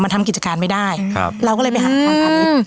ทำกิจการไม่ได้เราก็เลยไปหาทางพาณิชย์